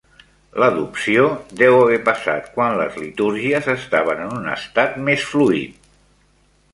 L'adopció deu haver passat quan les litúrgies estaven en un estat més fluid.